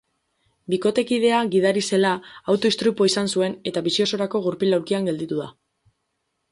Bikotekidea gidari zela, auto-istripua izan zuen eta bizi osorako gurpil-aulkian gelditu da.